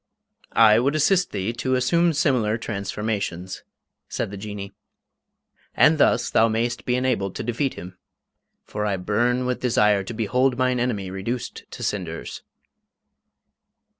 "I would assist thee to assume similar transformations," said the Jinnee, "and thus thou mayst be enabled to defeat him. For I burn with desire to behold mine enemy reduced to cinders."